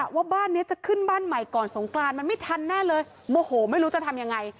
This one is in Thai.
ว่าบ้านนี้จะขึ้นบ้านใหม่ก่อนสงกรานมันไม่ทันแน่เลยโมโหไม่รู้จะทำยังไง